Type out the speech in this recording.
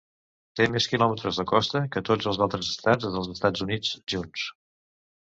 Té més quilòmetres de costa que tots els altres estats dels Estats Units junts.